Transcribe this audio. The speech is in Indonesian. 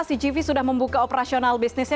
cgv sudah membuka operasional bisnisnya